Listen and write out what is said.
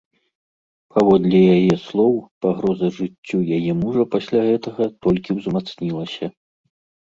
Паводле яе слоў, пагроза жыццю яе мужа пасля гэтага толькі ўзмацнілася.